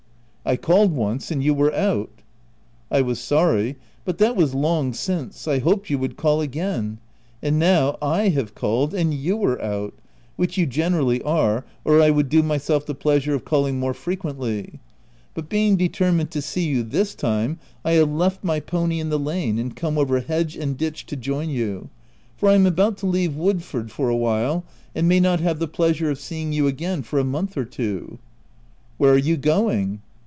" I called once, and you were out." " I was sorry : but that was long since ; 1 hoped you would call again ; and now, / have called, and you were out — which you generally are, or I would do myself the pleasure of call ing more frequently — but being determined to see you this time, I have left my pony in the lane, and come over hedge and ditch to join you ; for I am about to leave Woodford for a VOL. III. N 266 THE TENANT while, and may not have the pleasure of seeing you again for a month or two." "Where are you going